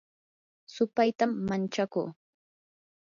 supaytam manchakuu